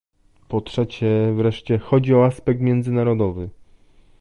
Po trzecie wreszcie chodzi o aspekt międzynarodowy